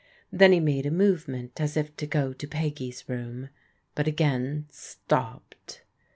Then he made a movement as if to go to Pegg/s room, but again stopped.